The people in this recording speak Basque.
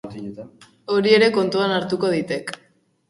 Hori ere kontuan hartuko ditek.